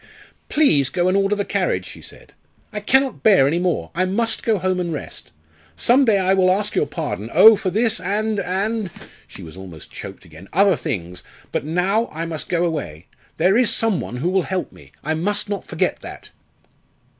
"Please go and order the carriage," she said. "I cannot bear any more. I must go home and rest. Some day I will ask your pardon oh! for this and and " she was almost choked again "other things. But now I must go away. There is some one who will help me. I must not forget that!"